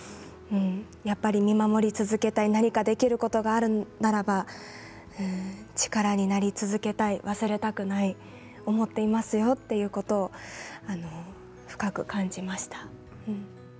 やっぱり見守り続けたい何かできることがあるならば力になり続けたい忘れたくない思っていますよということを深く感じました。